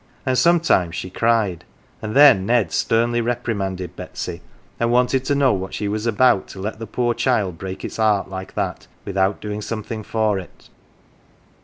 And sometimes she cried, and then Ned sternly reprimanded Betsy, and wanted to know what she was about to let the poor child break its 'cart like that without doing something for it.